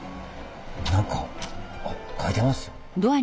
何か書いてますよ。